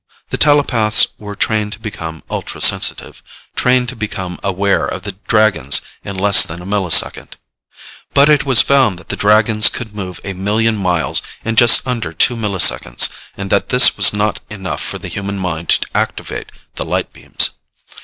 The telepaths were trained to become ultrasensitive, trained to become aware of the Dragons in less than a millisecond. But it was found that the Dragons could move a million miles in just under two milliseconds and that this was not enough for the human mind to activate the light beams.